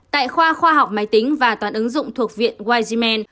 tại khoa khoa học máy tính và toàn ứng dụng thuộc viện weizmann